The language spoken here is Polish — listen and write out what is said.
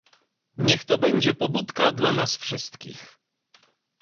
Niech to będzie pobudka dla nas wszystkich